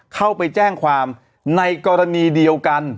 เข้าไปแจ้งความในกรณีเดียวกัน